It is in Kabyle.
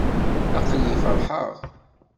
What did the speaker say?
Aql-iyi feṛḥeɣ.